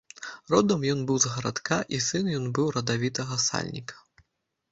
Родам ён быў з гарадка, і сын ён быў радавітага сальніка.